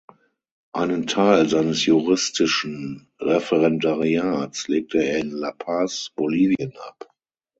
Einen Teil seines juristischen Referendariats legte er in La Paz, Bolivien ab.